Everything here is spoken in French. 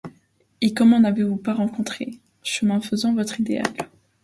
Et comment n’avez-vous pas rencontré, chemin faisant, votre idéal ?